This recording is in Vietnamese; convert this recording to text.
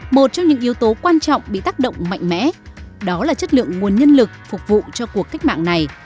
một trong những yếu tố quan trọng bị tác động mạnh mẽ đó là chất lượng nguồn nhân lực phục vụ cho cuộc cách mạng này